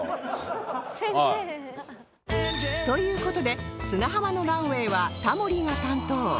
という事で砂浜のランウェイはタモリが担当